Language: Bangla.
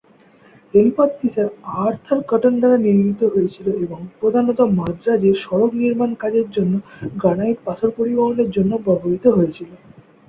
রেলপথটি স্যার আর্থার কটন দ্বারা নির্মিত হয়েছিল এবং প্রধানত মাদ্রাজে সড়ক নির্মাণ কাজের জন্য গ্রানাইট পাথর পরিবহনের জন্য ব্যবহূত হয়েছিল।